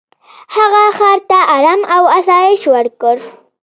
هغه خر ته ارام او آسایش ورکړ.